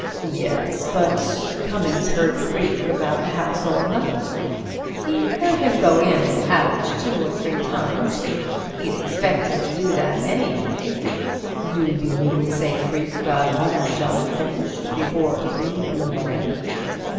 "Yes... But Cummings heard Freke about the house all night." "He heard him go in and out two or three times. He'd expect him to do that, anyway." "Do you mean to say Freke got all that job finished before three in the morning?"